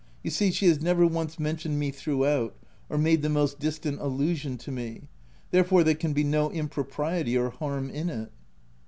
— you see she has never once mentioned me throughout — or made the most distant allusion to me ; therefore, there can be no impropriety or harm in it."